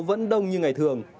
vẫn đông như ngày thường